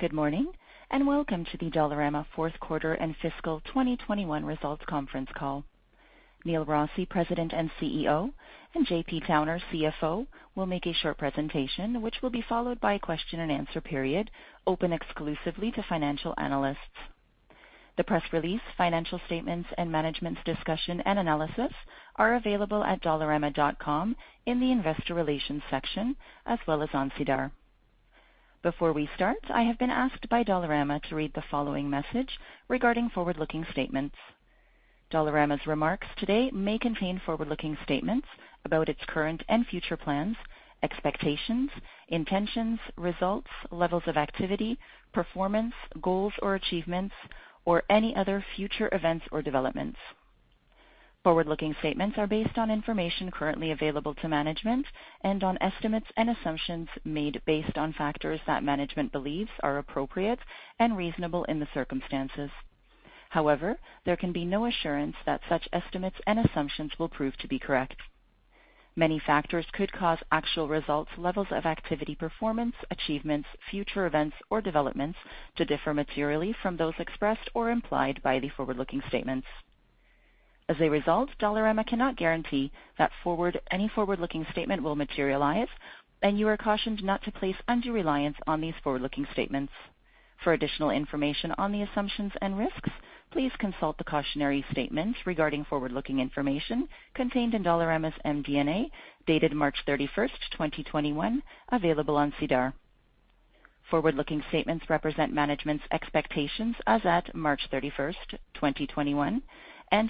Good morning, and welcome to the Dollarama fourth quarter and fiscal 2021 results conference call. Neil Rossy, President and CEO, and J.P. Towner, CFO, will make a short presentation, which will be followed by a question and answer period open exclusively to financial analysts. The press release, financial statements, and management's discussion and analysis are available at dollarama.com in the investor relations section as well as on SEDAR. Before we start, I have been asked by Dollarama to read the following message regarding forward-looking statements. Dollarama's remarks today may contain forward-looking statements about its current and future plans, expectations, intentions, results, levels of activity, performance, goals or achievements, or any other future events or developments. Forward-looking statements are based on information currently available to management and on estimates and assumptions made based on factors that management believes are appropriate and reasonable in the circumstances. However, there can be no assurance that such estimates and assumptions will prove to be correct. Many factors could cause actual results, levels of activity, performance, achievements, future events, or developments to differ materially from those expressed or implied by the forward-looking statements. As a result, Dollarama cannot guarantee that any forward-looking statement will materialize, and you are cautioned not to place undue reliance on these forward-looking statements. For additional information on the assumptions and risks, please consult the cautionary statements regarding forward-looking information contained in Dollarama's MD&A, dated March 31st, 2021, available on SEDAR. Forward-looking statements represent management's expectations as at March 31st, 2021.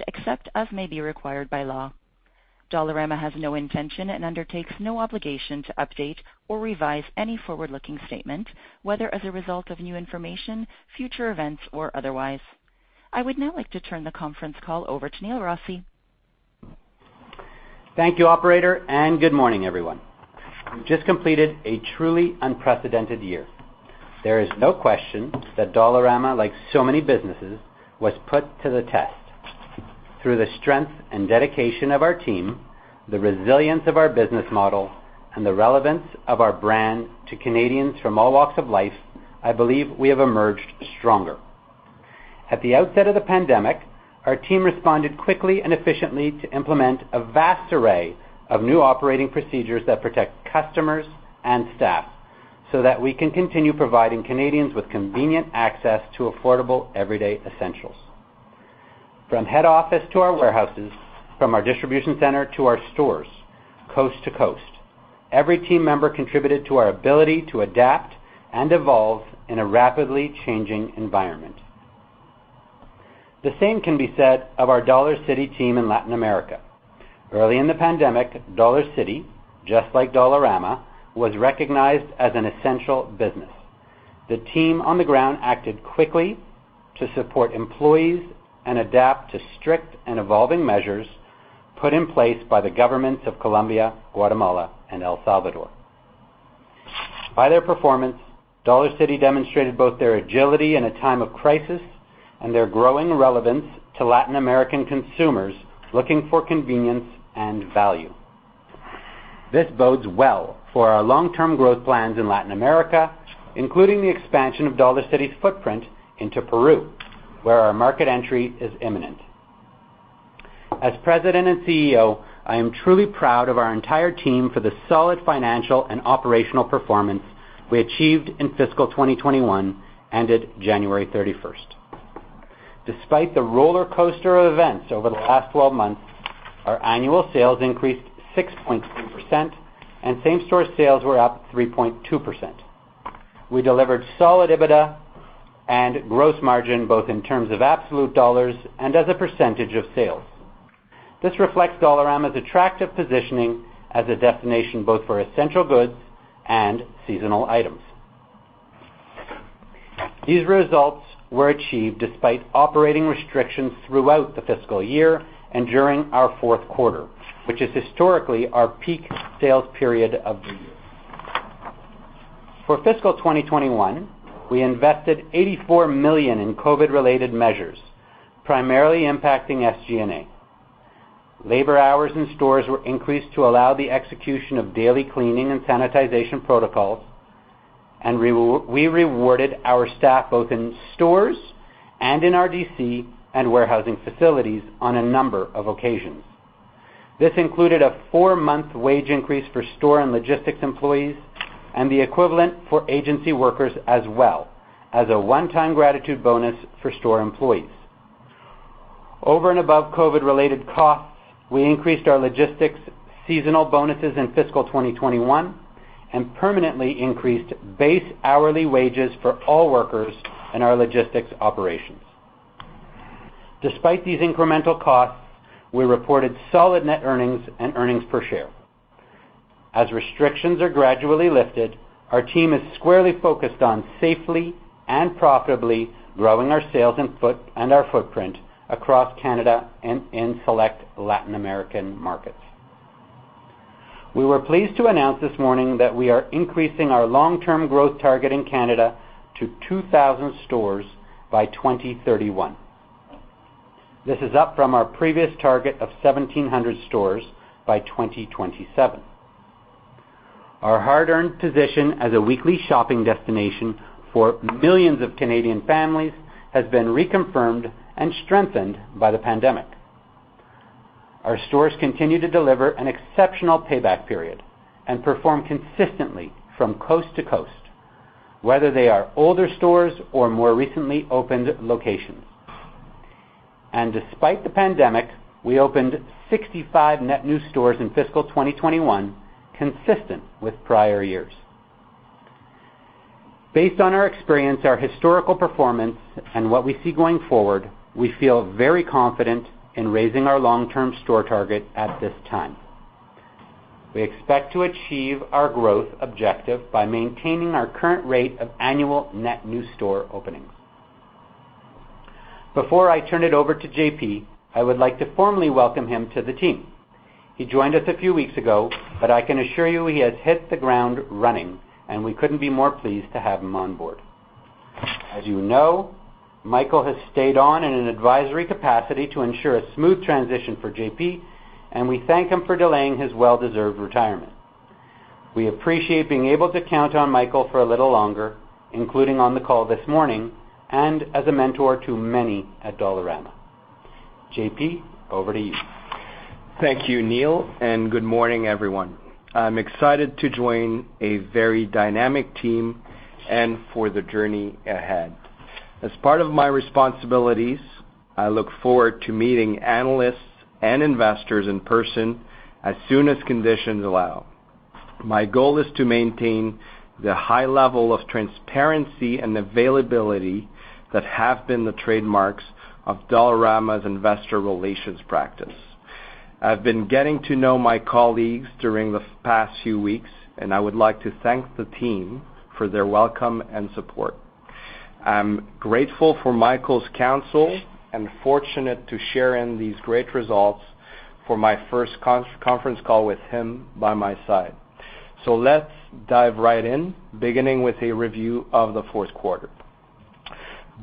Except as may be required by law, Dollarama has no intention and undertakes no obligation to update or revise any forward-looking statement, whether as a result of new information, future events, or otherwise. I would now like to turn the conference call over to Neil Rossy. Thank you, operator, and good morning, everyone. We've just completed a truly unprecedented year. There is no question that Dollarama, like so many businesses, was put to the test. Through the strength and dedication of our team, the resilience of our business model, and the relevance of our brand to Canadians from all walks of life, I believe we have emerged stronger. At the outset of the pandemic, our team responded quickly and efficiently to implement a vast array of new operating procedures that protect customers and staff so that we can continue providing Canadians with convenient access to affordable, everyday essentials. From head office to our warehouses, from our distribution center to our stores, coast to coast, every team member contributed to our ability to adapt and evolve in a rapidly changing environment. The same can be said of our Dollarcity team in Latin America. Early in the pandemic, Dollarcity, just like Dollarama, was recognized as an essential business. The team on the ground acted quickly to support employees and adapt to strict and evolving measures put in place by the governments of Colombia, Guatemala, and El Salvador. By their performance, Dollarcity demonstrated both their agility in a time of crisis and their growing relevance to Latin American consumers looking for convenience and value. This bodes well for our long-term growth plans in Latin America, including the expansion of Dollarcity's footprint into Peru, where our market entry is imminent. As president and CEO, I am truly proud of our entire team for the solid financial and operational performance we achieved in fiscal 2021, ended January 31st. Despite the roller coaster of events over the last 12 months, our annual sales increased 6.3%, and same-store sales were up 3.2%. We delivered solid EBITDA and gross margin, both in terms of absolute dollars and as a percentage of sales. This reflects Dollarama's attractive positioning as a destination both for essential goods and seasonal items. These results were achieved despite operating restrictions throughout the fiscal year and during our fourth quarter, which is historically our peak sales period of the year. For fiscal 2021, we invested 84 million in COVID-related measures, primarily impacting SG&A. Labor hours in stores were increased to allow the execution of daily cleaning and sanitization protocols, and we rewarded our staff both in stores and in our DC and warehousing facilities on a number of occasions. This included a four-month wage increase for store and logistics employees and the equivalent for agency workers, as well as a one-time gratitude bonus for store employees. Over and above COVID-related costs, we increased our logistics seasonal bonuses in fiscal 2021 and permanently increased base hourly wages for all workers in our logistics operations. Despite these incremental costs, we reported solid net earnings and earnings per share. As restrictions are gradually lifted, our team is squarely focused on safely and profitably growing our sales and our footprint across Canada and in select Latin American markets. We were pleased to announce this morning that we are increasing our long-term growth target in Canada to 2,000 stores by 2031. This is up from our previous target of 1,700 stores by 2027. Our hard-earned position as a weekly shopping destination for millions of Canadian families has been reconfirmed and strengthened by the pandemic. Our stores continue to deliver an exceptional payback period and perform consistently from coast to coast, whether they are older stores or more recently opened locations. Despite the pandemic, we opened 65 net new stores in fiscal 2021, consistent with prior years. Based on our experience, our historical performance, and what we see going forward, we feel very confident in raising our long-term store target at this time. We expect to achieve our growth objective by maintaining our current rate of annual net new store openings. Before I turn it over to J.P., I would like to formally welcome him to the team. He joined us a few weeks ago, I can assure you he has hit the ground running, we couldn't be more pleased to have him on board. As you know, Michael has stayed on in an advisory capacity to ensure a smooth transition for J.P., we thank him for delaying his well-deserved retirement. We appreciate being able to count on Michael for a little longer, including on the call this morning, and as a mentor to many at Dollarama. J.P., over to you. Thank you, Neil. Good morning, everyone. I'm excited to join a very dynamic team and for the journey ahead. As part of my responsibilities, I look forward to meeting analysts and investors in person as soon as conditions allow. My goal is to maintain the high level of transparency and availability that have been the trademarks of Dollarama's investor relations practice. I've been getting to know my colleagues during the past few weeks, and I would like to thank the team for their welcome and support. I'm grateful for Michael's counsel and fortunate to share in these great results for my first conference call with him by my side. Let's dive right in, beginning with a review of the fourth quarter.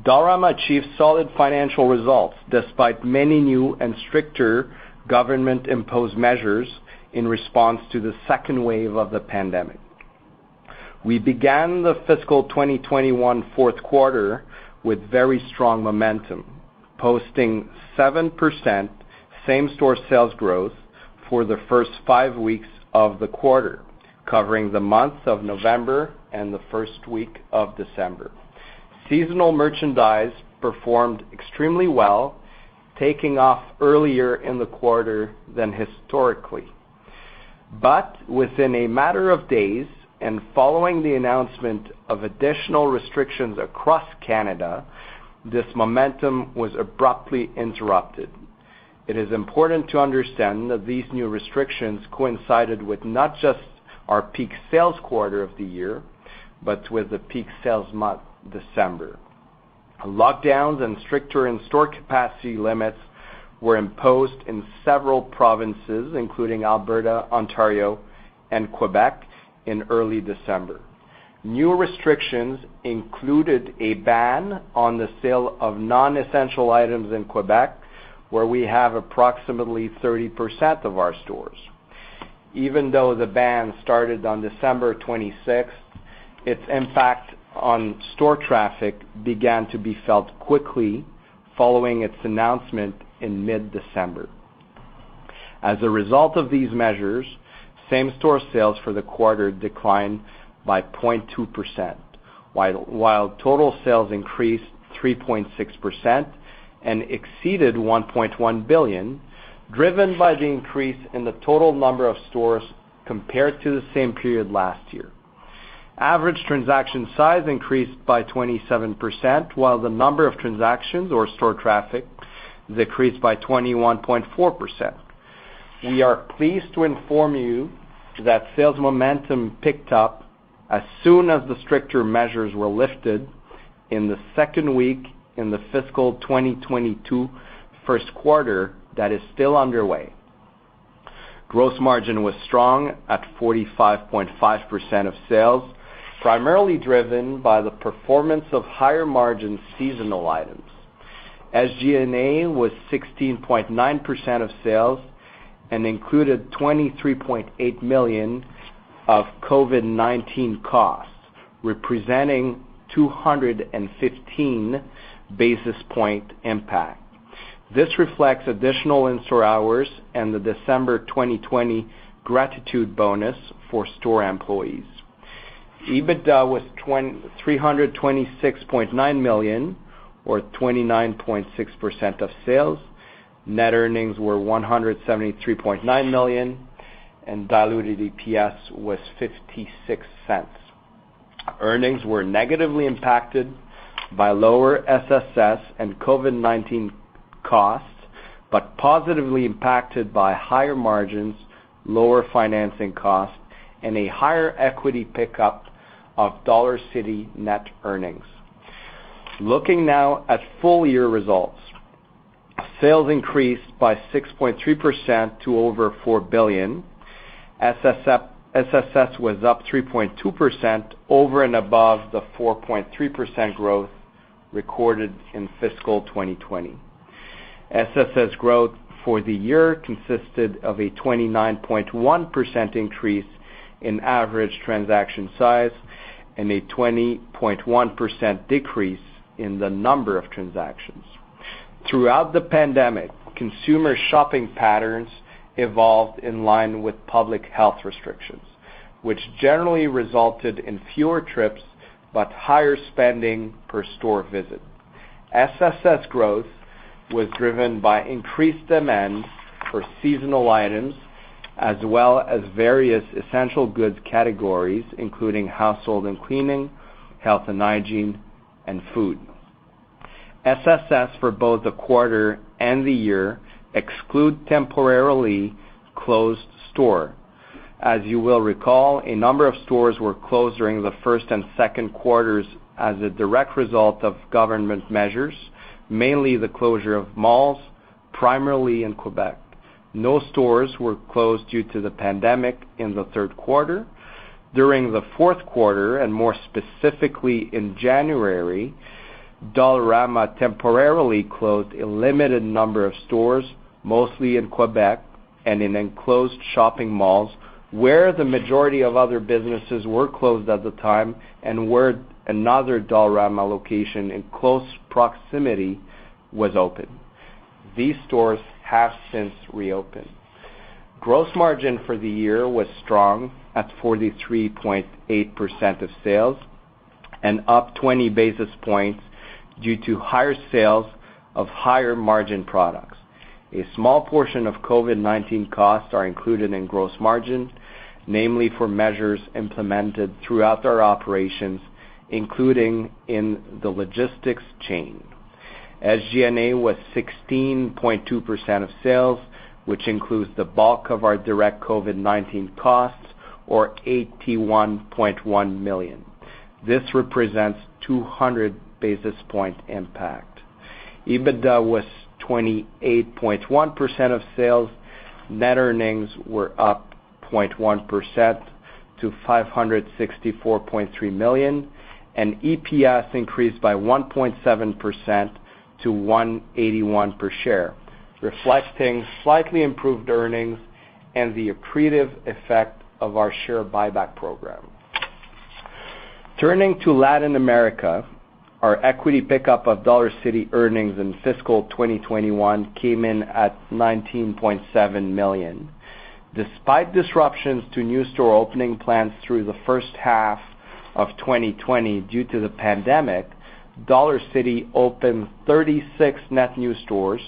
Dollarama achieved solid financial results despite many new and stricter government-imposed measures in response to the second wave of the pandemic. We began the fiscal 2021 fourth quarter with very strong momentum, posting 7% same-store sales growth for the first five weeks of the quarter, covering the months of November and the first week of December. Seasonal merchandise performed extremely well, taking off earlier in the quarter than historically. Within a matter of days, and following the announcement of additional restrictions across Canada, this momentum was abruptly interrupted. It is important to understand that these new restrictions coincided with not just our peak sales quarter of the year, but with the peak sales month, December. Lockdowns and stricter in-store capacity limits were imposed in several provinces, including Alberta, Ontario, and Quebec in early December. New restrictions included a ban on the sale of non-essential items in Quebec, where we have approximately 30% of our stores. Even though the ban started on December 26th, its impact on store traffic began to be felt quickly following its announcement in mid-December. As a result of these measures, same-store sales for the quarter declined by 0.2%, while total sales increased 3.6% and exceeded 1.1 billion, driven by the increase in the total number of stores compared to the same period last year. Average transaction size increased by 27%, while the number of transactions, or store traffic, decreased by 21.4%. We are pleased to inform you that sales momentum picked up as soon as the stricter measures were lifted in the second week in the fiscal 2022 first quarter that is still underway. Gross margin was strong at 45.5% of sales, primarily driven by the performance of higher-margin seasonal items. SG&A was 16.9% of sales and included 23.8 million of COVID-19 costs, representing 215 basis point impact. This reflects additional in-store hours and the December 2020 gratitude bonus for store employees. EBITDA was 326.9 million, or 29.6% of sales. Net earnings were 173.9 million and diluted EPS was 0.56. Earnings were negatively impacted by lower SSS and COVID-19 costs, but positively impacted by higher margins, lower financing costs, and a higher equity pickup of Dollarcity net earnings. Looking now at full-year results. Sales increased by 6.3% to over 4 billion. SSS was up 3.2% over and above the 4.3% growth recorded in fiscal 2020. SSS growth for the year consisted of a 29.1% increase in average transaction size and a 20.1% decrease in the number of transactions. Throughout the pandemic, consumer shopping patterns evolved in line with public health restrictions, which generally resulted in fewer trips but higher spending per store visit. SSS growth was driven by increased demand for seasonal items as well as various essential goods categories, including household and cleaning, health and hygiene, and food. SSS for both the quarter and the year exclude temporarily closed store. As you will recall, a number of stores were closed during the first and second quarters as a direct result of government measures, mainly the closure of malls, primarily in Quebec. No stores were closed due to the pandemic in the third quarter. During the fourth quarter, and more specifically in January, Dollarama temporarily closed a limited number of stores, mostly in Quebec and in enclosed shopping malls, where the majority of other businesses were closed at the time and where another Dollarama location in close proximity was open. These stores have since reopened. Gross margin for the year was strong at 43.8% of sales and up 20 basis points due to higher sales of higher-margin products. A small portion of COVID-19 costs are included in gross margin, namely for measures implemented throughout our operations, including in the logistics chain. SG&A was 16.2% of sales, which includes the bulk of our direct COVID-19 costs, or CAD 81.1 million. This represents 200 basis point impact. EBITDA was 28.1% of sales. Net earnings were up 0.1% to 564.3 million, and EPS increased by 1.7% to 181 per share, reflecting slightly improved earnings and the accretive effect of our share buyback program. Turning to Latin America, our equity pickup of Dollarcity earnings in fiscal 2021 came in at 19.7 million. Despite disruptions to new store opening plans through the first half of 2020 due to the pandemic, Dollarcity opened 36 net new stores,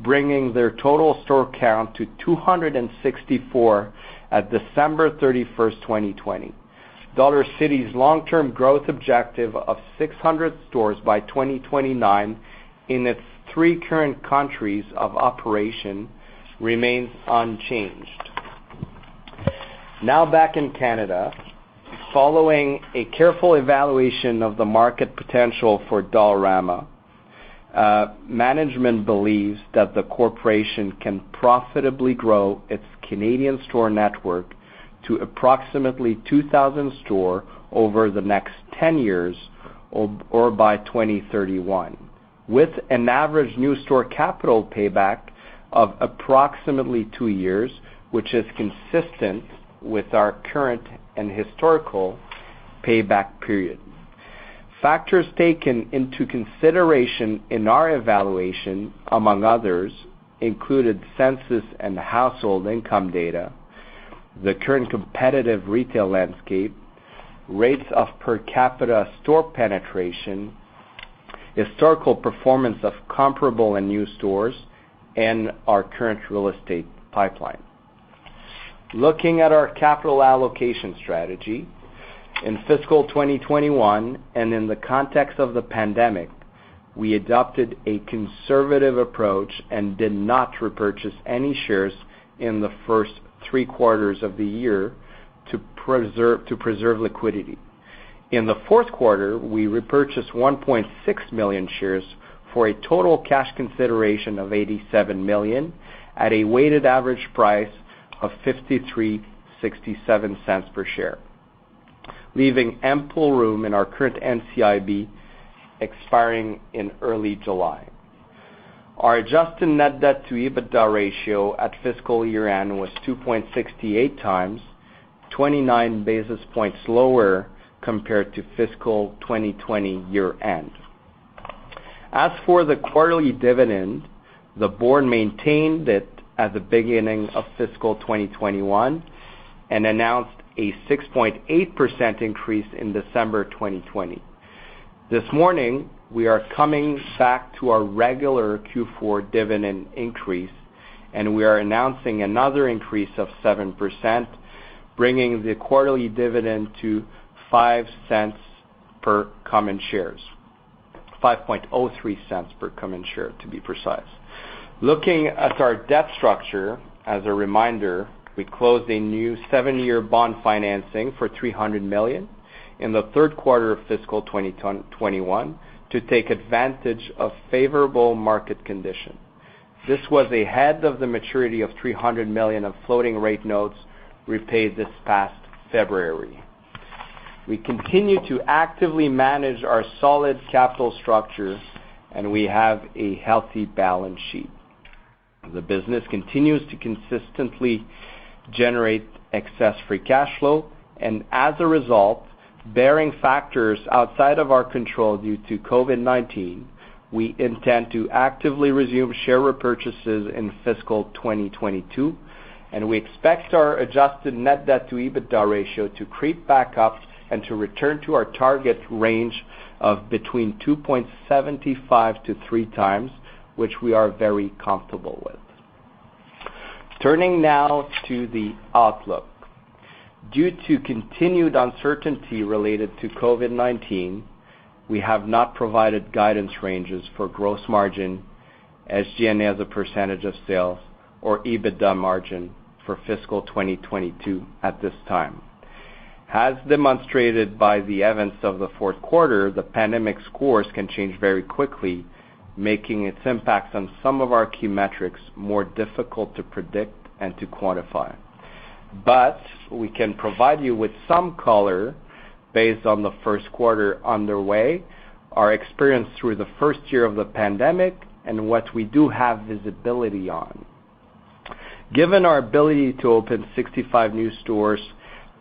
bringing their total store count to 264 at December 31st, 2020. Dollarcity's long-term growth objective of 600 stores by 2029 in its three current countries of operation remains unchanged. Now back in Canada. Following a careful evaluation of the market potential for Dollarama, management believes that the corporation can profitably grow its Canadian store network to approximately 2,000 store over the next 10 years or by 2031. With an average new store capital payback of approximately two years, which is consistent with our current and historical payback period. Factors taken into consideration in our evaluation, among others, included census and household income data, the current competitive retail landscape, rates of per capita store penetration, historical performance of comparable and new stores, and our current real estate pipeline. Looking at our capital allocation strategy, in fiscal 2021 and in the context of the pandemic, we adopted a conservative approach and did not repurchase any shares in the first three quarters of the year to preserve liquidity. In the fourth quarter, we repurchased 1.6 million shares for a total cash consideration of 87 million at a weighted average price of 0.5367 per share, leaving ample room in our current NCIB expiring in early July. Our adjusted net debt to EBITDA ratio at fiscal year-end was 2.68x, 29 basis points lower compared to fiscal 2020 year-end. As for the quarterly dividend, the board maintained it at the beginning of fiscal 2021 and announced a 6.8% increase in December 2020. This morning, we are coming back to our regular Q4 dividend increase, and we are announcing another increase of 7%, bringing the quarterly dividend to 0.05 per common shares, 0.0503 per common share to be precise. Looking at our debt structure, as a reminder, we closed a new seven-year bond financing for 300 million in the third quarter of fiscal 2021 to take advantage of favorable market conditions. This was ahead of the maturity of 300 million of floating rate notes repaid this past February. We continue to actively manage our solid capital structure, and we have a healthy balance sheet. The business continues to consistently generate excess free cash flow, and as a result, bearing factors outside of our control due to COVID-19, we intend to actively resume share repurchases in fiscal 2022, and we expect our adjusted net debt to EBITDA ratio to creep back up and to return to our target range of between 2.75x-3x, which we are very comfortable with. Turning now to the outlook. Due to continued uncertainty related to COVID-19, we have not provided guidance ranges for gross margin as SG&A as a percentage of sales or EBITDA margin for fiscal 2022 at this time. As demonstrated by the events of the fourth quarter, the pandemic's course can change very quickly, making its impacts on some of our key metrics more difficult to predict and to quantify. We can provide you with some color based on the first quarter underway, our experience through the first year of the pandemic, and what we do have visibility on. Given our ability to open 65 new stores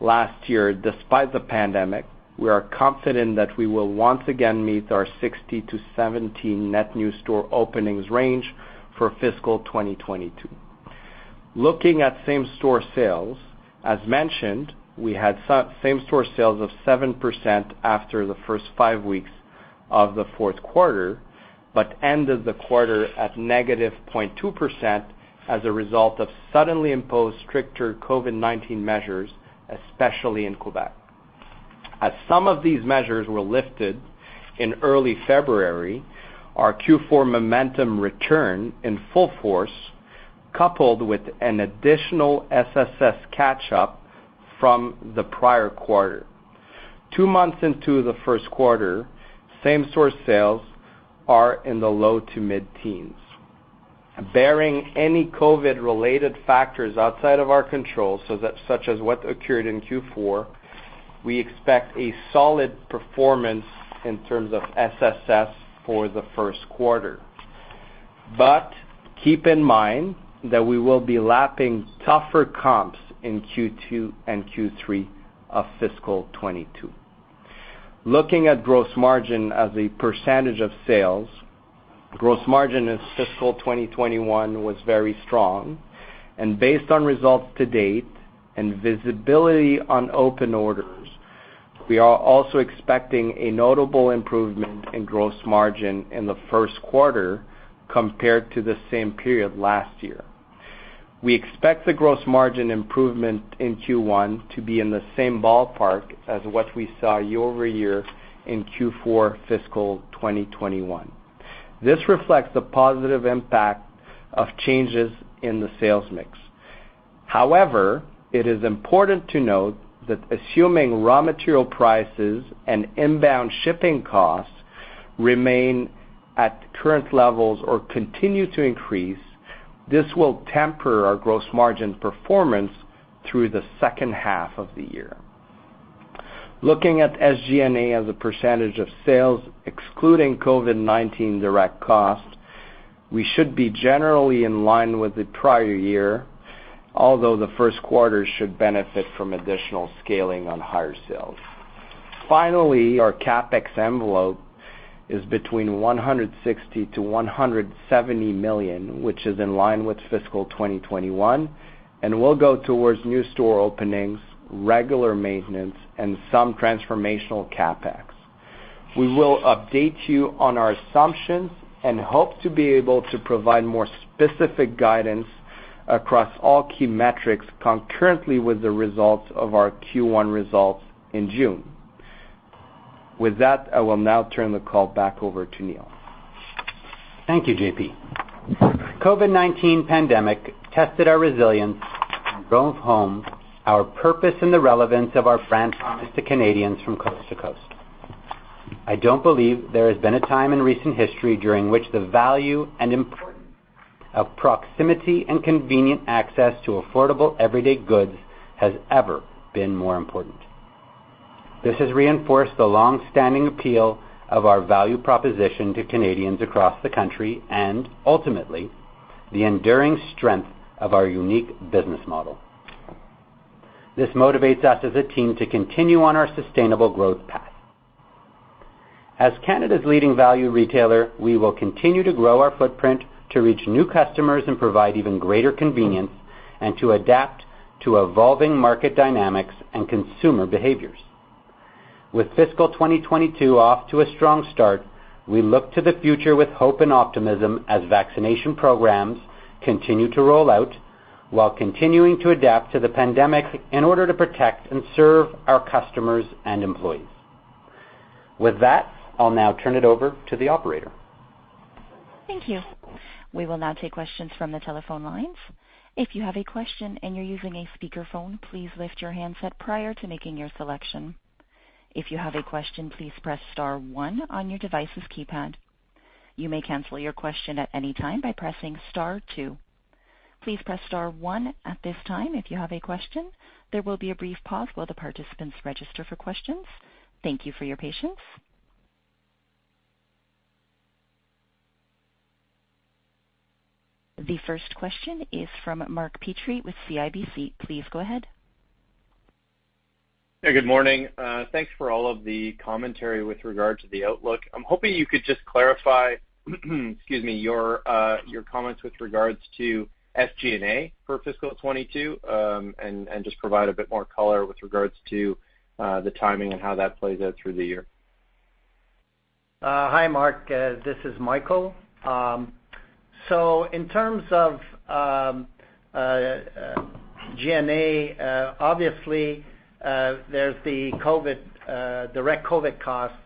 last year, despite the pandemic, we are confident that we will once again meet our 60-70 net new store openings range for fiscal 2022. Looking at same-store sales, as mentioned, we had same-store sales of 7% after the first five weeks of the fourth quarter, but ended the quarter at negative 0.2% as a result of suddenly imposed stricter COVID-19 measures, especially in Quebec. As some of these measures were lifted in early February, our Q4 momentum returned in full force, coupled with an additional SSS catch-up from the prior quarter. Two months into the first quarter, same-store sales are in the low to mid-teens. Bearing any COVID-related factors outside of our control, such as what occurred in Q4, we expect a solid performance in terms of SSS for the first quarter. Keep in mind that we will be lapping tougher comps in Q2 and Q3 of fiscal 2022. Looking at gross margin as a percentage of sales, gross margin in fiscal 2021 was very strong and based on results to date and visibility on open orders, we are also expecting a notable improvement in gross margin in the first quarter compared to the same period last year. We expect the gross margin improvement in Q1 to be in the same ballpark as what we saw year-over-year in Q4 fiscal 2021. However, it is important to note that assuming raw material prices and inbound shipping costs remain at current levels or continue to increase, this will temper our gross margin performance through the second half of the year. Looking at SG&A as a percentage of sales, excluding COVID-19 direct costs, we should be generally in line with the prior year, although the first quarter should benefit from additional scaling on higher sales. Our CapEx envelope is between 160 million-170 million, which is in line with fiscal 2021 and will go towards new store openings, regular maintenance, and some transformational CapEx. We will update you on our assumptions and hope to be able to provide more specific guidance across all key metrics concurrently with the results of our Q1 results in June. With that, I will now turn the call back over to Neil. Thank you, J.P. COVID-19 pandemic tested our resilience and drove home our purpose and the relevance of our brand promise to Canadians from coast to coast. I don't believe there has been a time in recent history during which the value and importance of proximity and convenient access to affordable, everyday goods has ever been more important. This has reinforced the longstanding appeal of our value proposition to Canadians across the country and ultimately, the enduring strength of our unique business model. This motivates us as a team to continue on our sustainable growth path. As Canada's leading value retailer, we will continue to grow our footprint to reach new customers and provide even greater convenience and to adapt to evolving market dynamics and consumer behaviors. With fiscal 2022 off to a strong start, we look to the future with hope and optimism as vaccination programs continue to roll out while continuing to adapt to the pandemic in order to protect and serve our customers and employees. With that, I'll now turn it over to the operator. Thank you, we will now take questions from the telephone lines. If you have a question and you are using a speakerphone, please lift your handset prior to making your selection. If you have a question please press tar one on your device's keypad. You may cancel your question anytime by pressing star two. Please pres star two at this time if you have a question. There will be a brief pause while the participants register for questions. Thank you for your patience. The first question is from Mark Petrie with CIBC. Please go ahead. Yeah, good morning. Thanks for all of the commentary with regard to the outlook. I'm hoping you could just clarify your comments with regards to SG&A for fiscal 2022, and just provide a bit more color with regards to the timing and how that plays out through the year. Hi, Mark. This is Michael. In terms of G&A, obviously, there's the direct COVID costs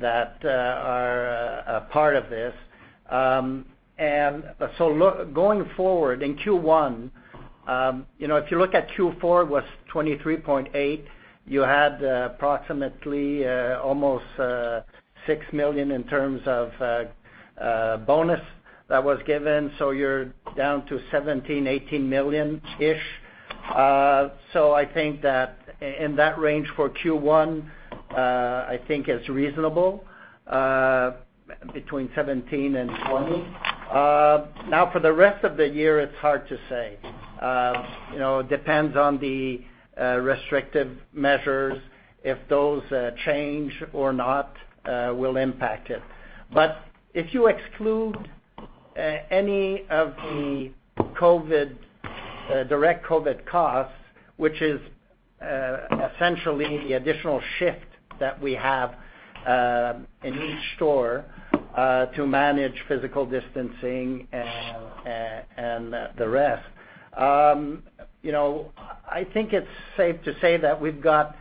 that are a part of this. Going forward in Q1, if you look at Q4, it was 23.8 million. You had approximately almost 6 million in terms of bonus that was given, so you're down to 17 million, CAD 18 million-ish. I think that in that range for Q1, I think is reasonable, between 17 million and 20 million. Now, for the rest of the year, it's hard to say. It depends on the restrictive measures, if those change or not will impact it. If you exclude any of the direct COVID costs, which is essentially the additional shift that we have in each store to manage physical distancing and the rest, I think it's safe to say that we've got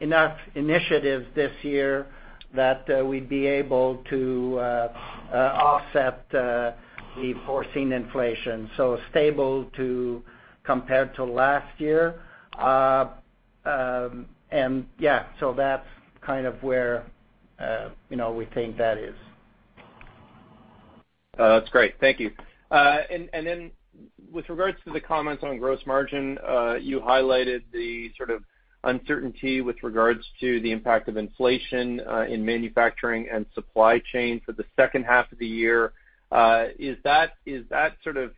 enough initiatives this year that we'd be able to offset the foreseen inflation, so stable compared to last year. Yeah, so that's kind of where we think that is. That's great. Thank you. Then with regards to the comments on gross margin, you highlighted the sort of uncertainty with regards to the impact of inflation in manufacturing and supply chain for the second half of the year. Is that sort of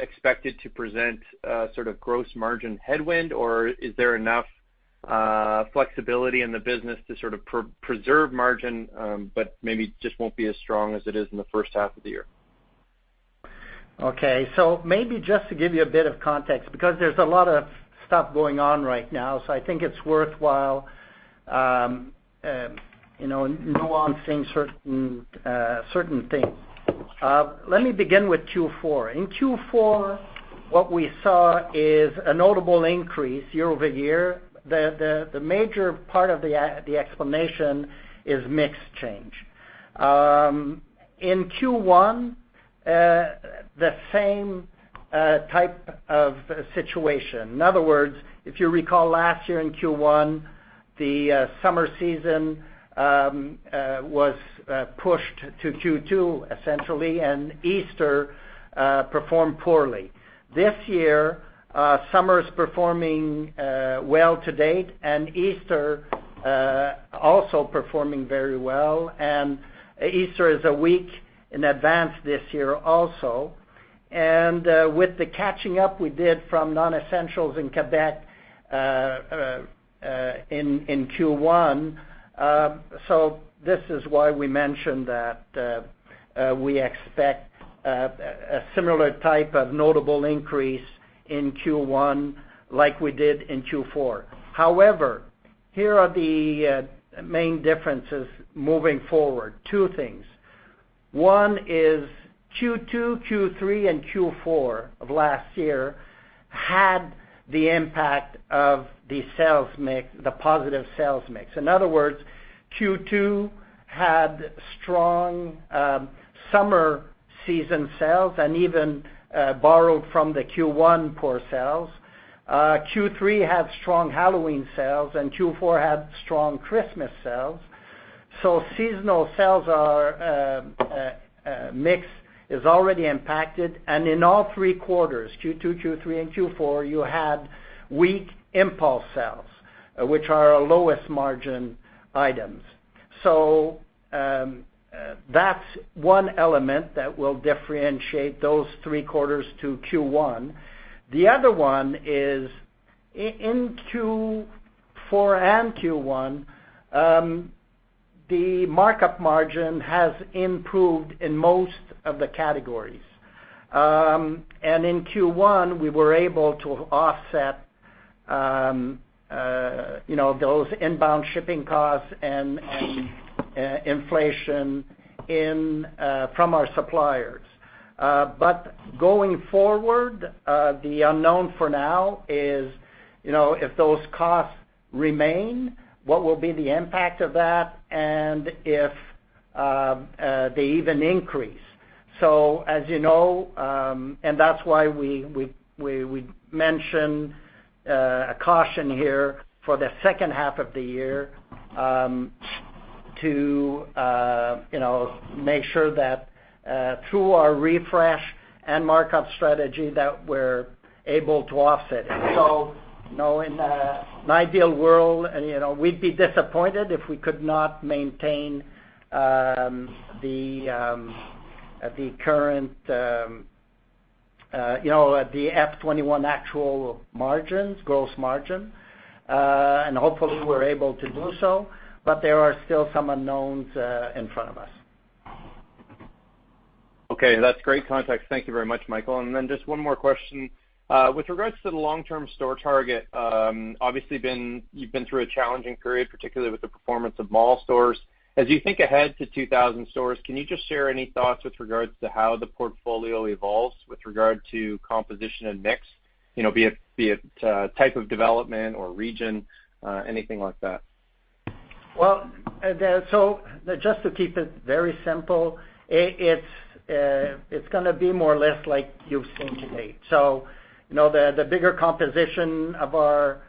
expected to present a sort of gross margin headwind, or is there enough flexibility in the business to sort of preserve margin, but maybe just won't be as strong as it is in the first half of the year? Okay, maybe just to give you a bit of context, because there's a lot of stuff going on right now, so I think it's worthwhile nuancing certain things. Let me begin with Q4. In Q4, what we saw is a notable increase year-over-year. The major part of the explanation is mix change. In Q1, the same type of situation. In other words, if you recall last year in Q1, the summer season was pushed to Q2 essentially, and Easter performed poorly. This year, summer is performing well to date, and Easter also performing very well, and Easter is a week in advance this year also. With the catching up we did from non-essentials in Quebec in Q1, so this is why we mentioned that we expect a similar type of notable increase in Q1 like we did in Q4. Here are the main differences moving forward. Two things. One is Q2, Q3, and Q4 of last year had the impact of the positive sales mix. In other words, Q2 had strong summer season sales and even borrowed from the Q1 poor sales. Q3 had strong Halloween sales, and Q4 had strong Christmas sales. Seasonal sales mix is already impacted, and in all three quarters, Q2, Q3, and Q4, you had weak impulse sales, which are our lowest margin items. That's one element that will differentiate those three quarters to Q1. The other one is in Q4 and Q1, the markup margin has improved in most of the categories. In Q1, we were able to offset those inbound shipping costs and inflation from our suppliers. Going forward, the unknown for now is if those costs remain, what will be the impact of that, and if they even increase. As you know, and that's why we mention a caution here for the second half of the year to make sure that through our refresh and markup strategy, that we're able to offset it. In an ideal world, we'd be disappointed if we could not maintain the FY 2021 actual margins, gross margin. Hopefully we're able to do so, but there are still some unknowns in front of us. Okay. That's great context. Thank you very much, Michael. Just one more question. With regards to the long-term store target, obviously, you've been through a challenging period, particularly with the performance of mall stores. As you think ahead to 2,000 stores, can you just share any thoughts with regards to how the portfolio evolves with regard to composition and mix, be it type of development or region, anything like that? Just to keep it very simple, it's going to be more or less like you've seen to date. The bigger composition of our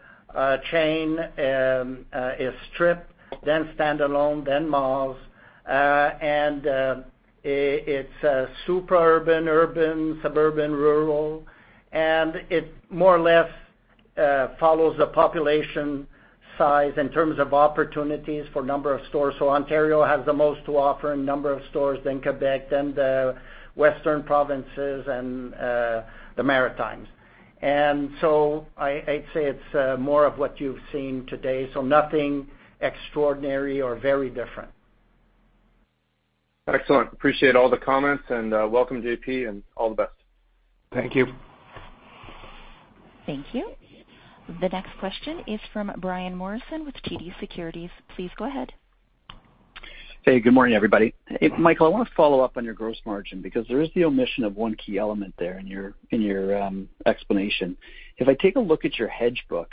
chain is strip, then standalone, then malls. It's super urban, suburban, rural, and it more or less follows the population size in terms of opportunities for number of stores. Ontario has the most to offer in number of stores, then Quebec, then the western provinces, and the Maritimes. I'd say it's more of what you've seen today, nothing extraordinary or very different. Excellent. Appreciate all the comments, and welcome J.P., and all the best. Thank you. Thank you. The next question is from Brian Morrison with TD Securities. Please go ahead. Hey, good morning, everybody. Good morning. Michael, I want to follow up on your gross margin because there is the omission of one key element there in your explanation. If I take a look at your hedge book,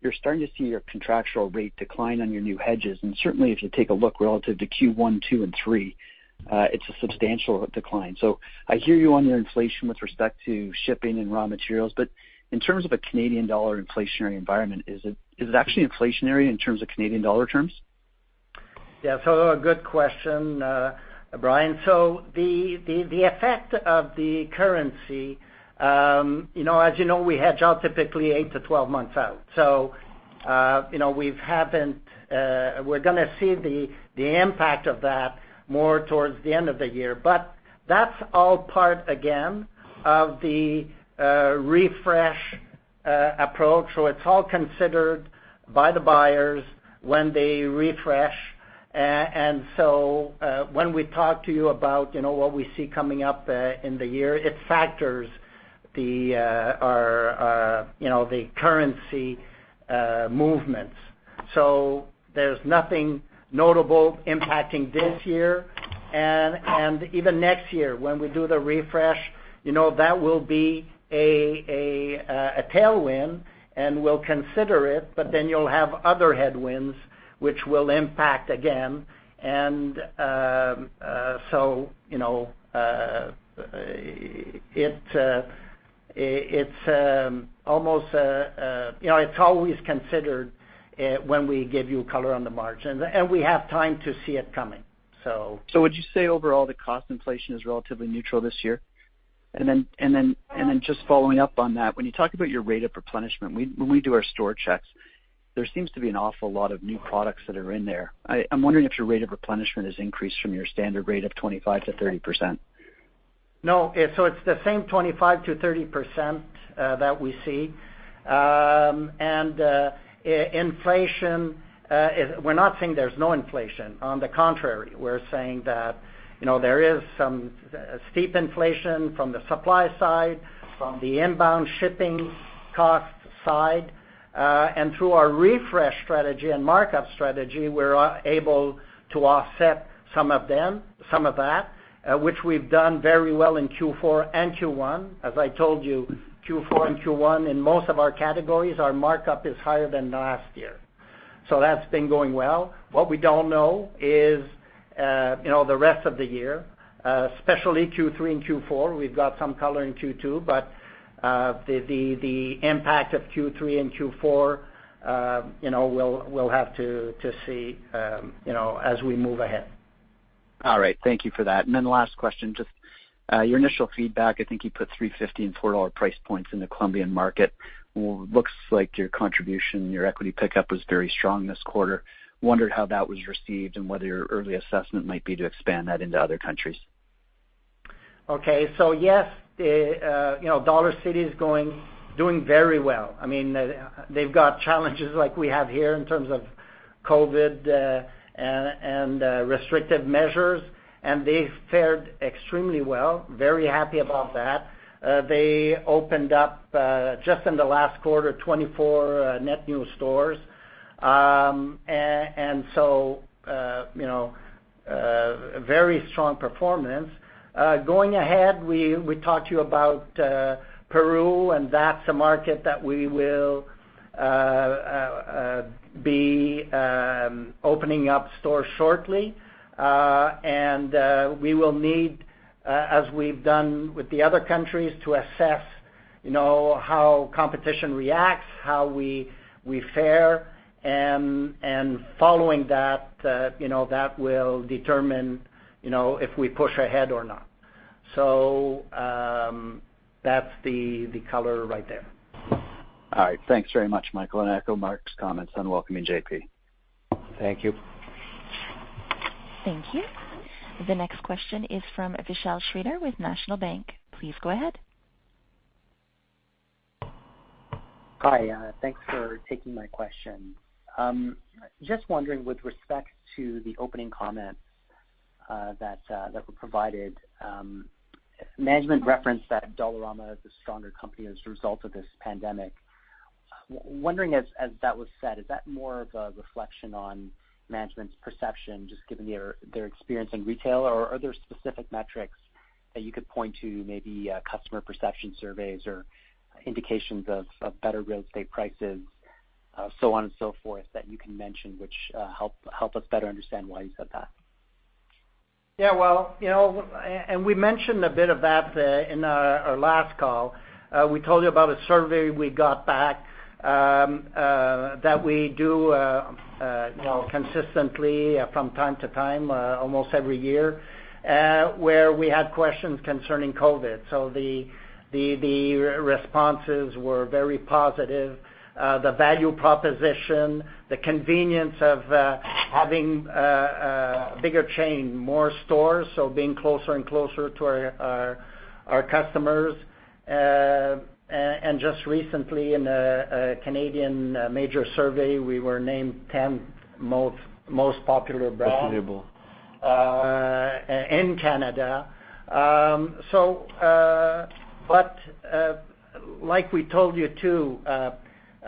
you're starting to see your contractual rate decline on your new hedges, and certainly if you take a look relative to Q1, Q2, and Q3, it's a substantial decline. I hear you on your inflation with respect to shipping and raw materials, but in terms of a Canadian dollar inflationary environment, is it actually inflationary in terms of Canadian dollar terms? Yeah. A good question, Brian. The effect of the currency, as you know, we hedge out typically 8-12 months out. We're going to see the impact of that more towards the end of the year. That's all part, again, of the refresh approach. It's all considered by the buyers when they refresh. When we talk to you about what we see coming up in the year, it factors the currency movements. There's nothing notable impacting this year. Even next year when we do the refresh, that will be a tailwind and we'll consider it, you'll have other headwinds, which will impact again. It's always considered when we give you color on the margin, and we have time to see it coming. Would you say overall, the cost inflation is relatively neutral this year? Just following up on that, when you talk about your rate of replenishment, when we do our store checks, there seems to be an awful lot of new products that are in there. I'm wondering if your rate of replenishment has increased from your standard rate of 25%-30%. No. It's the same 25%-30% that we see. Inflation, we're not saying there's no inflation. On the contrary, we're saying that there is some steep inflation from the supply side, from the inbound shipping cost side. Through our refresh strategy and markup strategy, we're able to offset some of that, which we've done very well in Q4 and Q1. As I told you, Q4 and Q1, in most of our categories, our markup is higher than last year. That's been going well. What we don't know is the rest of the year, especially Q3 and Q4. We've got some color in Q2, but the impact of Q3 and Q4, we'll have to see as we move ahead. All right. Thank you for that. Last question, just your initial feedback, I think you put 3.50 and 4 dollar price points in the Colombian market. Looks like your contribution and your equity pickup was very strong this quarter. Wondered how that was received and whether your early assessment might be to expand that into other countries. Okay. Yes, Dollarcity is doing very well. They've got challenges like we have here in terms of COVID and restrictive measures, and they've fared extremely well, very happy about that. They opened up, just in the last quarter, 24 net new stores. Very strong performance. Going ahead, we talked to you about Peru, and that's a market that we will be opening up stores shortly. We will need, as we've done with the other countries, to assess how competition reacts, how we fare, and following that will determine if we push ahead or not. That's the color right there. All right. Thanks very much, Michael, and I echo Mark's comments on welcoming J.P. Thank you. Thank you. The next question is from Vishal Shreedhar with National Bank. Please go ahead. Hi, thanks for taking my question. Just wondering, with respect to the opening comments that were provided, management referenced that Dollarama is a stronger company as a result of this pandemic. Wondering, as that was said, is that more of a reflection on management's perception, just given their experience in retail or are there specific metrics that you could point to, maybe customer perception surveys or indications of better real estate prices, so on and so forth, that you can mention which help us better understand why you said that? Yeah, we mentioned a bit of that in our last call. We told you about a survey we got back that we do consistently from time to time, almost every year, where we had questions concerning COVID. The responses were very positive. The value proposition, the convenience of having a bigger chain, more stores, so being closer and closer to our customers. Just recently in a Canadian major survey, we were named 10 most popular brand. [Distributable] In Canada. Like we told you too,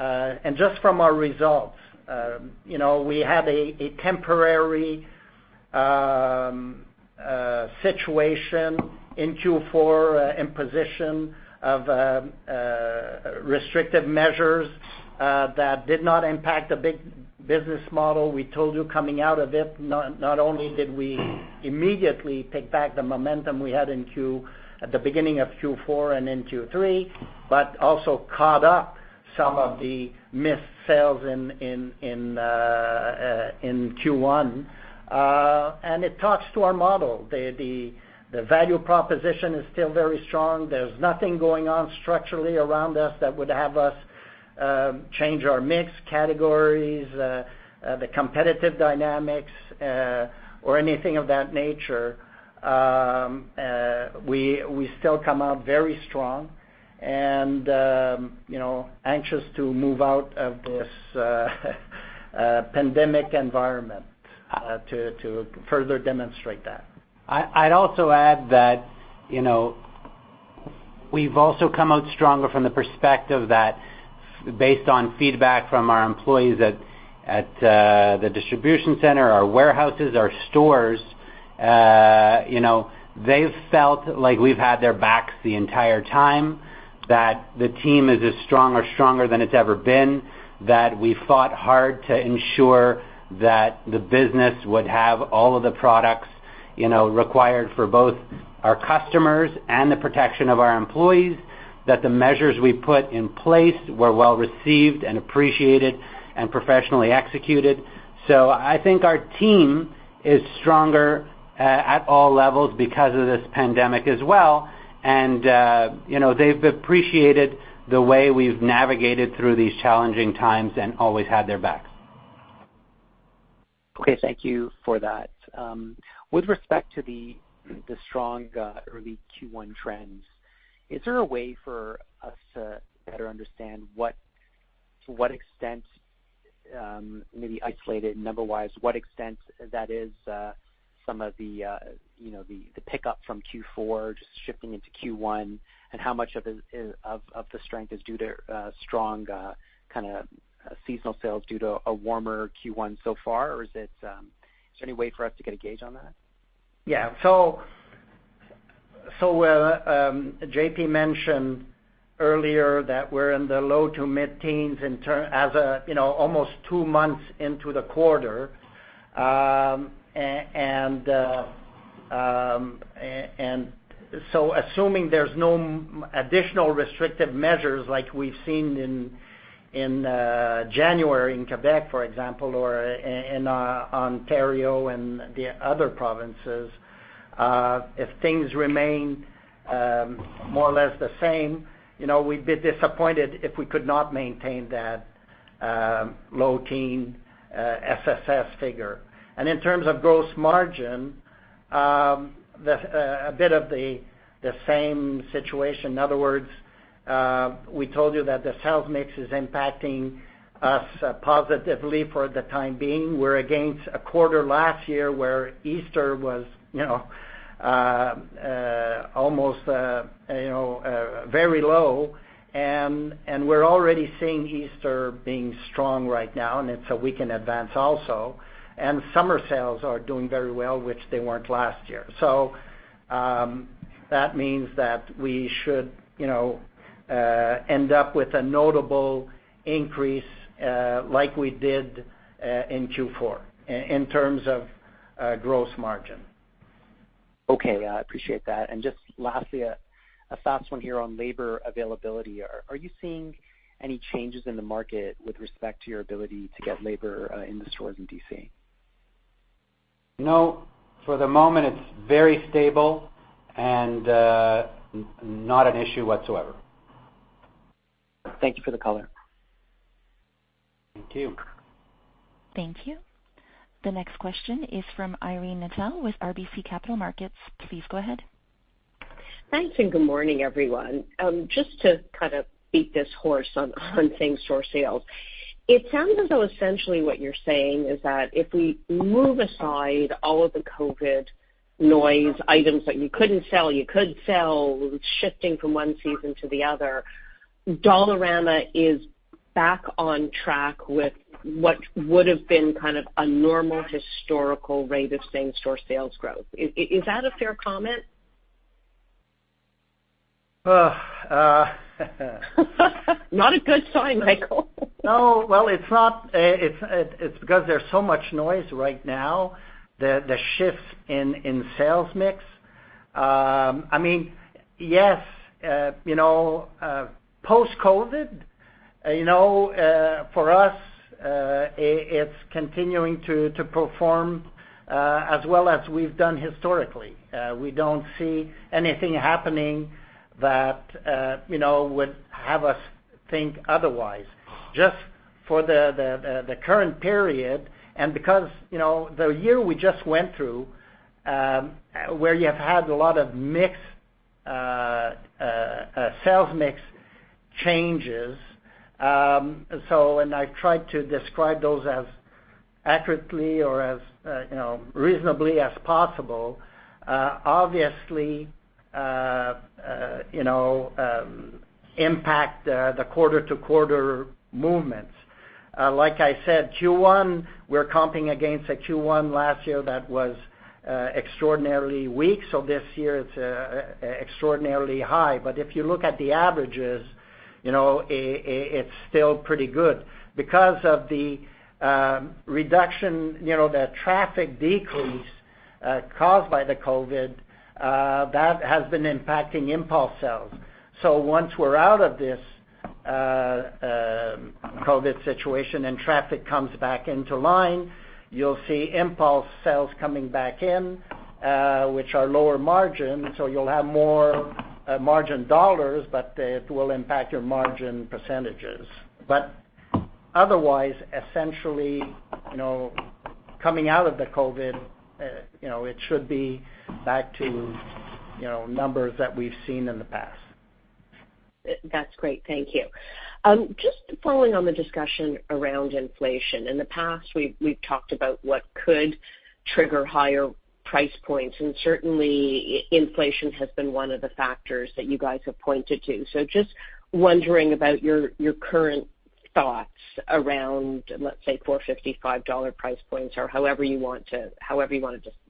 and just from our results, we had a temporary situation in Q4, imposition of restrictive measures that did not impact the big business model. We told you coming out of it, not only did we immediately take back the momentum we had at the beginning of Q4 and in Q3, but also caught up some of the missed sales in Q1. It talks to our model. The value proposition is still very strong. There's nothing going on structurally around us that would have us change our mix categories, the competitive dynamics, or anything of that nature. We still come out very strong and anxious to move out of this pandemic environment to further demonstrate that. I'd also add that we've also come out stronger from the perspective that based on feedback from our employees at the distribution center, our warehouses, our stores, they've felt like we've had their backs the entire time. That the team is as strong or stronger than it's ever been, that we fought hard to ensure that the business would have all of the products required for both our customers and the protection of our employees, that the measures we put in place were well-received and appreciated and professionally executed. I think our team is stronger at all levels because of this pandemic as well, and they've appreciated the way we've navigated through these challenging times and always had their backs. Okay, thank you for that. With respect to the strong early Q1 trends, is there a way for us to better understand to what extent, maybe isolated number-wise, what extent that is some of the pickup from Q4 just shifting into Q1, and how much of the strength is due to strong kind of seasonal sales due to a warmer Q1 so far? Is there any way for us to get a gauge on that? Yeah. J.P. mentioned earlier that we're in the low to mid-teens almost two months into the quarter. Assuming there's no additional restrictive measures like we've seen in January in Quebec, for example, or in Ontario and the other provinces, if things remain more or less the same, we'd be disappointed if we could not maintain that low teen SSS figure. In terms of gross margin, a bit of the same situation. In other words, we told you that the sales mix is impacting us positively for the time being. We're against a quarter last year where Easter was very low, and we're already seeing Easter being strong right now, and it's a week in advance also. Summer sales are doing very well, which they weren't last year. That means that we should end up with a notable increase like we did in Q4, in terms of gross margin. Okay, I appreciate that. Just lastly, a fast one here on labor availability. Are you seeing any changes in the market with respect to your ability to get labor in the stores and DC? No. For the moment, it's very stable and not an issue whatsoever. Thank you for the color. Thank you. Thank you. The next question is from Irene Nattel with RBC Capital Markets. Please go ahead. Thanks, good morning, everyone. Just to beat this horse on same store sales, it sounds as though essentially what you're saying is that if we move aside all of the COVID noise, items that you couldn't sell, you could sell, shifting from one season to the other, Dollarama is back on track with what would've been a normal historical rate of same-store sales growth. Is that a fair comment? Ugh. Not a good sign, Michael. No. Well, it's because there's so much noise right now, the shifts in sales mix. Yes, post-COVID, for us, it's continuing to perform as well as we've done historically. We don't see anything happening that would have us think otherwise. Just for the current period, and because the year we just went through, where you have had a lot of sales mix changes, and I tried to describe those as accurately or as reasonably as possible obviously, impact the quarter-to-quarter movements. Like I said, Q1, we're comping against a Q1 last year that was extraordinarily weak, so this year it's extraordinarily high. But if you look at the averages, it's still pretty good. Because of the reduction, the traffic decrease, caused by the COVID, that has been impacting impulse sales. Once we're out of this COVID situation and traffic comes back into line, you'll see impulse sales coming back in, which are lower margin. You'll have more margin dollars, but it will impact your margin percentages. Otherwise, essentially, coming out of the COVID, it should be back to numbers that we've seen in the past. That's great. Thank you. Following on the discussion around inflation. In the past, we've talked about what could trigger higher price points, certainly, inflation has been one of the factors that you guys have pointed to. Just wondering about your current thoughts around, let's say, 4.55 dollar price points, or however you want to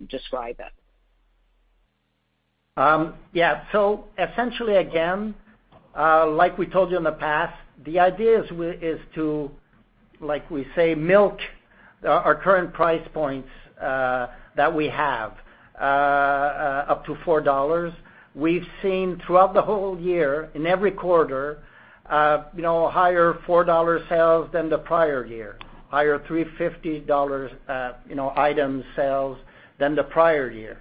describe it. Yeah. Essentially, again, like we told you in the past, the idea is to, like we say, milk our current price points that we have up to 4 dollars. We've seen throughout the whole year, in every quarter, higher 4 dollar sales than the prior year. Higher 3.50 dollars item sales than the prior year.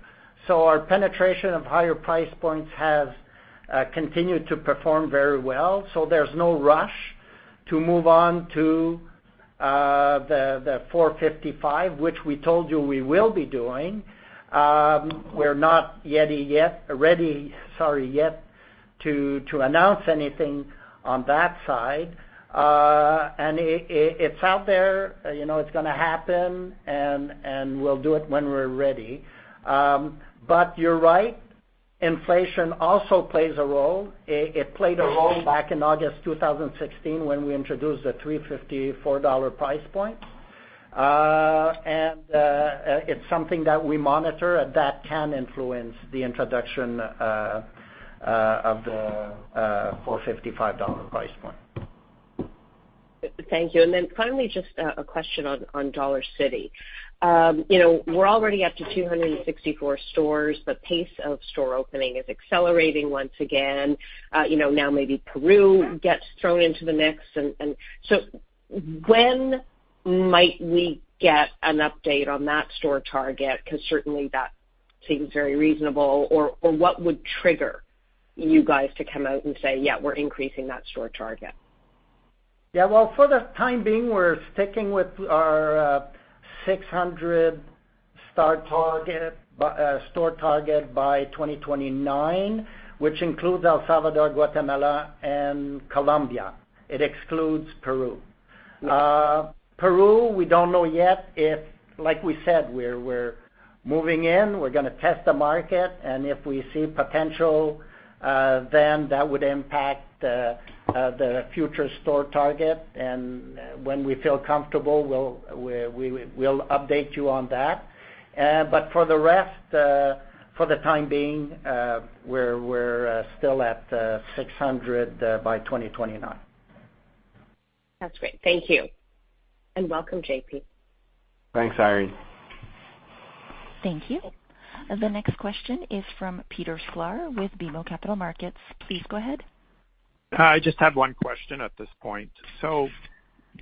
Our penetration of higher price points has continued to perform very well, so there's no rush to move on to the 4.55, which we told you we will be doing. We're not ready yet to announce anything on that side. It's out there, it's gonna happen, and we'll do it when we're ready. You're right, inflation also plays a role. It played a role back in August 2016 when we introduced the 3.50 dollar, CAD 4 price points. It's something that we monitor that can influence the introduction of the 4.55 dollar price point. Thank you. Then finally, just a question on Dollarcity. We're already up to 264 stores. The pace of store opening is accelerating once again. Now maybe Peru gets thrown into the mix. So when might we get an update on that store target, because certainly, that seems very reasonable. What would trigger you guys to come out and say, "Yeah, we're increasing that store target"? Yeah. Well, for the time being, we're sticking with our 600-store target by 2029, which includes El Salvador, Guatemala, and Colombia. It excludes Peru. Peru, we don't know yet if like we said, we're moving in, we're gonna test the market, and if we see potential, then that would impact the future store target. When we feel comfortable, we'll update you on that. For the rest, for the time being, we're still at 600 by 2029. That's great. Thank you, and welcome, J.P. Thanks, Irene. Thank you. The next question is from Peter Sklar with BMO Capital Markets. Please go ahead. I just have one question at this point.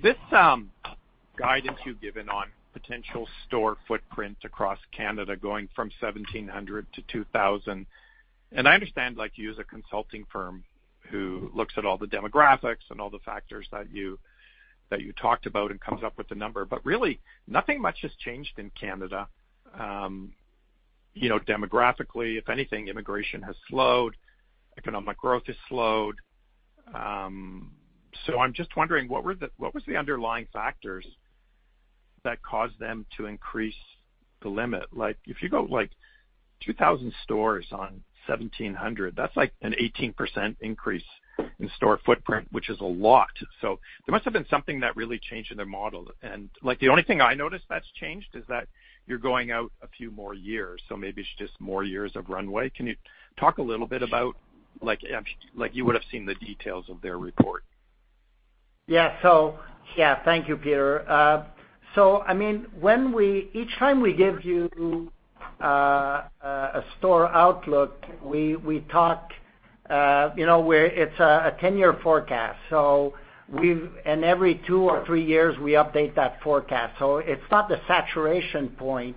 This guidance you've given on potential store footprint across Canada going from 1,700-2,000, and I understand you use a consulting firm who looks at all the demographics and all the factors that you talked about and comes up with the number. Really, nothing much has changed in Canada demographically. If anything, immigration has slowed, economic growth has slowed. I'm just wondering, what was the underlying factors that caused them to increase the limit? If you go 2,000 stores on 1,700, that's an 18% increase in store footprint, which is a lot. There must have been something that really changed in their model. The only thing I noticed that's changed is that you're going out a few more years, so maybe it's just more years of runway. You would've seen the details of their report. Thank you, Peter. Each time we give you a store outlook, it's a 10-year forecast. Every two or three years, we update that forecast. It's not the saturation point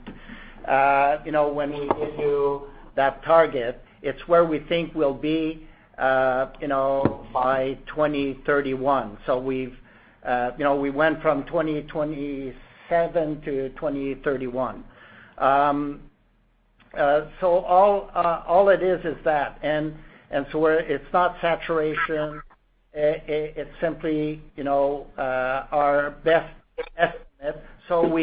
when we give you that target. It's where we think we'll be by 2031. We went from 2027-2031. All it is is that. It's not saturation. It's simply our best estimate.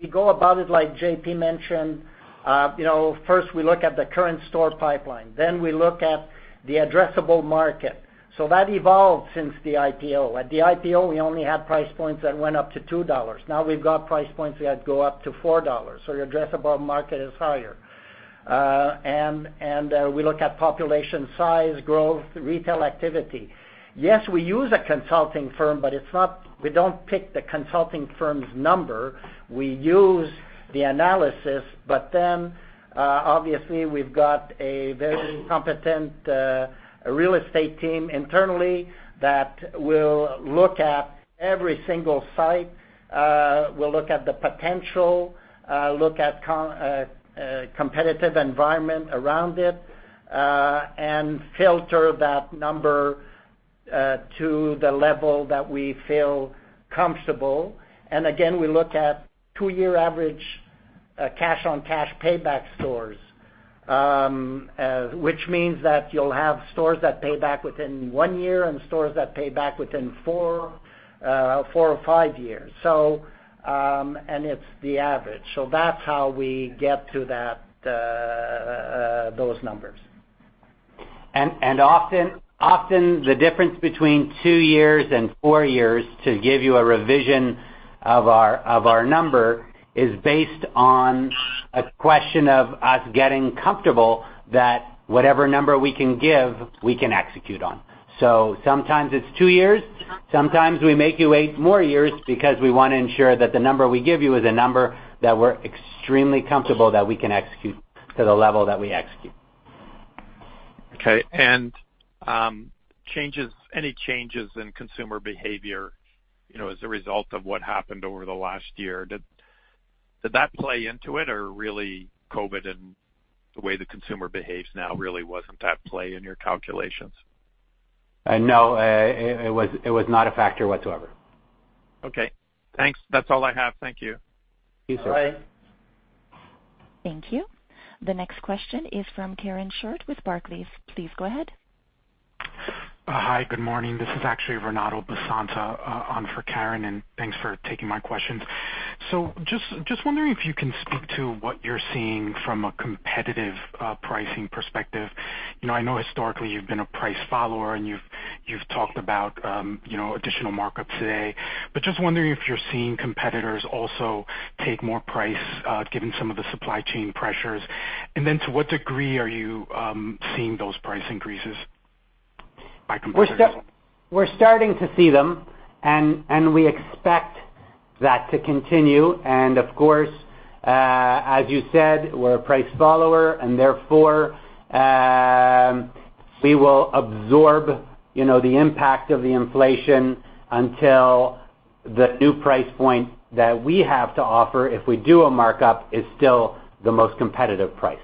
We go about it like J.P. mentioned. First, we look at the current store pipeline, then we look at the addressable market. That evolved since the IPO. At the IPO, we only had price points that went up to 2 dollars. Now we've got price points that go up to 4 dollars, so your addressable market is higher. We look at population size, growth, retail activity. Yes, we use a consulting firm. We don't pick the consulting firm's number. We use the analysis. Obviously, we've got a very competent real estate team internally that will look at every single site, will look at the potential, look at competitive environment around it, and filter that number to the level that we feel comfortable. Again, we look at two-year average cash-on-cash payback stores, which means that you'll have stores that pay back within one year and stores that pay back within four or five years. It's the average. That's how we get to those numbers. Often, the difference between two years and four years, to give you a revision of our number, is based on a question of us getting comfortable that whatever number we can give, we can execute on. Sometimes it's two years, sometimes we make you wait more years because we want to ensure that the number we give you is a number that we're extremely comfortable that we can execute to the level that we execute. Okay. Any changes in consumer behavior as a result of what happened over the last year, did that play into it, or really COVID and the way the consumer behaves now really wasn't at play in your calculations? No. It was not a factor whatsoever. Okay. Thanks. That's all I have. Thank you. Thanks. Bye. Thank you. The next question is from Karen Short with Barclays. Please go ahead. Hi, good morning. This is actually Renato Basanta on for Karen, and thanks for taking my questions. Just wondering if you can speak to what you're seeing from a competitive pricing perspective. I know historically you've been a price follower, and you've talked about additional markups today. Just wondering if you're seeing competitors also take more price, given some of the supply chain pressures. To what degree are you seeing those price increases by competitors? We're starting to see them. We expect that to continue. Of course, as you said, we're a price follower, and therefore, we will absorb the impact of the inflation until the new price point that we have to offer if we do a markup is still the most competitive price.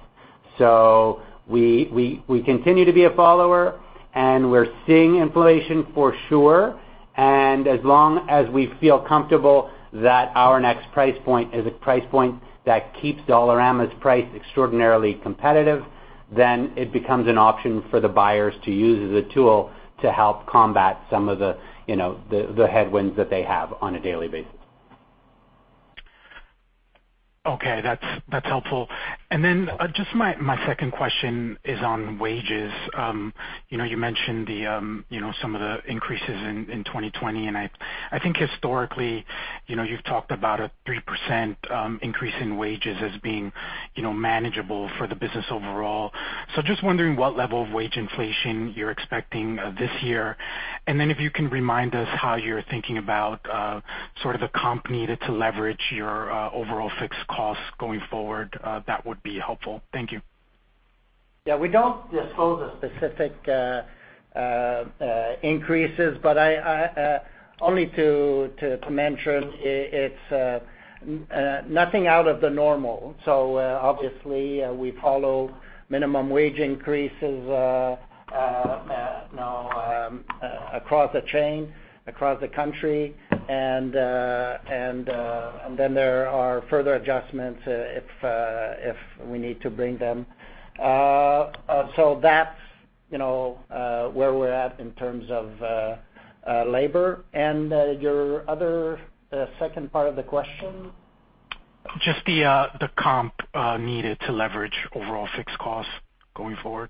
We continue to be a follower, and we're seeing inflation for sure. As long as we feel comfortable that our next price point is a price point that keeps Dollarama's price extraordinarily competitive, then it becomes an option for the buyers to use as a tool to help combat some of the headwinds that they have on a daily basis. Okay. That's helpful. Just my second question is on wages. You mentioned some of the increases in 2020, and I think historically, you've talked about a 3% increase in wages as being manageable for the business overall. Just wondering what level of wage inflation you're expecting this year. If you can remind us how you're thinking about sort of the comp needed to leverage your overall fixed costs going forward, that would be helpful. Thank you. Yeah, we don't disclose the specific increases, but only to mention it's nothing out of the normal. Obviously we follow minimum wage increases now across the chain, across the country, and then there are further adjustments if we need to bring them. That's where we're at in terms of labor. Your other second part of the question? Just the comp needed to leverage overall fixed costs going forward.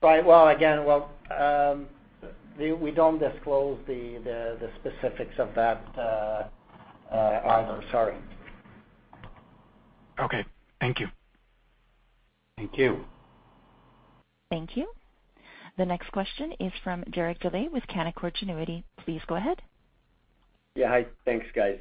Right. Well, again, we don't disclose the specifics of that either. Sorry. Okay. Thank you. Thank you. Thank you. The next question is from Derek Dley with Canaccord Genuity. Please go ahead. Yeah. Hi. Thanks, guys.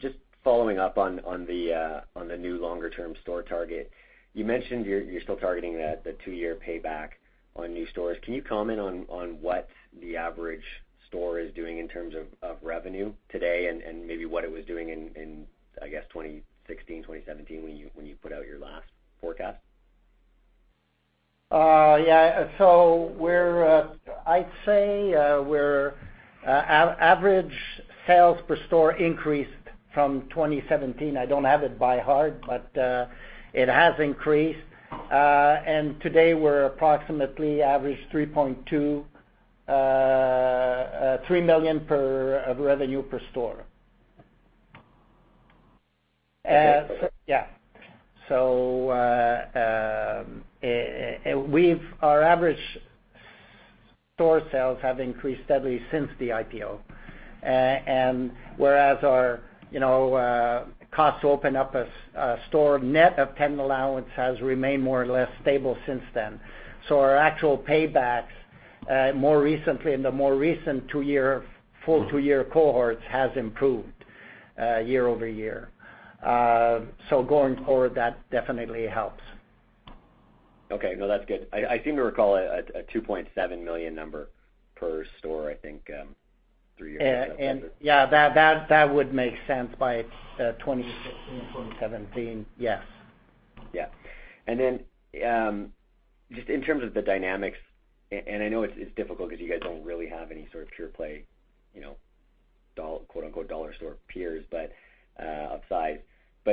Just following up on the new longer-term store target. You mentioned you're still targeting the two-year payback on new stores. Can you comment on what the average store is doing in terms of revenue today and maybe what it was doing in, I guess, 2016, 2017 when you put out your last forecast? Yeah. I'd say our average sales per store increased from 2017. I don't have it by heart, but it has increased. Today, we're approximately average 3.2, 3 million of revenue per store. Okay. Yeah. Our average store sales have increased steadily since the IPO. Whereas our costs to open up a store net of tenant allowance has remained more or less stable since then. Our actual paybacks more recently in the more recent full two-year cohorts has improved year-over-year. Going forward, that definitely helps. Okay. No, that's good. I seem to recall a 2.7 million number per store, I think, three years ago. Yeah, that would make sense by 2016, 2017. Yes. Yeah. Then, just in terms of the dynamics, I know it's difficult because you guys don't really have any sort of pure play, "dollar store peers," of size.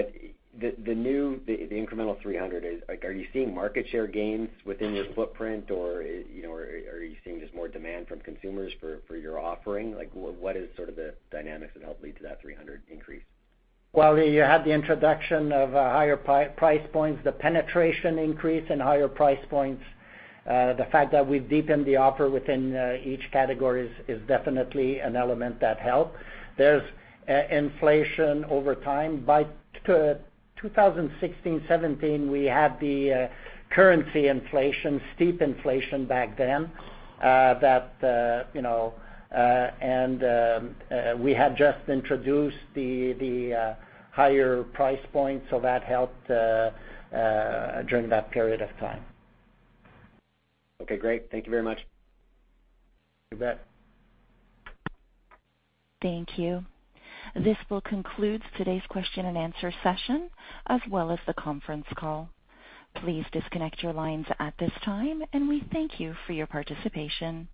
The incremental 300, are you seeing market share gains within your footprint, or are you seeing just more demand from consumers for your offering? What is sort of the dynamics that helped lead to that 300 increase? Well, you had the introduction of higher price points, the penetration increase and higher price points. The fact that we've deepened the offer within each category is definitely an element that helped. There's inflation over time. By 2016, 2017, we had the currency inflation, steep inflation back then. We had just introduced the higher price point, so that helped during that period of time. Okay, great. Thank you very much. You bet. Thank you. This will conclude today's question and answer session as well as the conference call. Please disconnect your lines at this time, and we thank you for your participation.